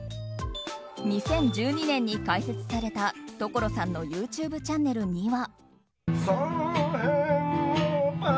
２０１２年に開設された所さんのＹｏｕＴｕｂｅチャンネルには。